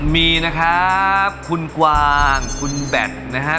มีนะครับคุณกวางคุณแบตนะฮะ